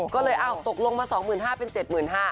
ก็เลยอ้าวตกลงว่าสองหมื่นห้าเป็นเจ็ดหมื่นห้า